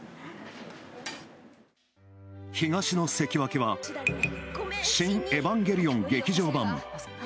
東の関脇は「シン・エヴァンゲリオン劇場版」。